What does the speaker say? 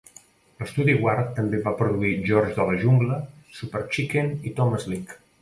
L'estudi Ward també va produir "George de la jungla", "Super Chicken" i "Tom Slick".